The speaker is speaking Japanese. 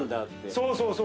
そうそうそう。